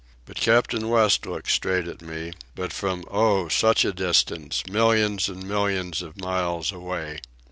But Captain West looked straight at me, but from oh! such a distance—millions and millions of miles away.